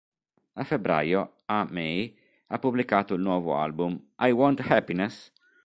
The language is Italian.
A febbraio, A-mei ha pubblicato il nuovo album "I Want Happiness?